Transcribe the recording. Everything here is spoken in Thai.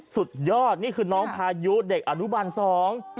สุดยอดนี่คือน๑พายุเด็กอาณุบรรณสอง